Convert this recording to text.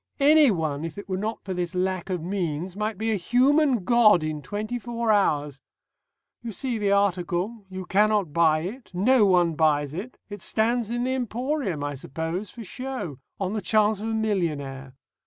Anyone, if it were not for this lack of means, might be a human god in twenty four hours.... You see the article. You cannot buy it. No one buys it. It stands in the emporium, I suppose, for show on the chance of a millionaire.